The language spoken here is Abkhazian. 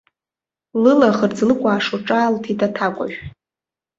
Лылаӷырӡ лыкәаашо ҿаалҭит аҭакәажә.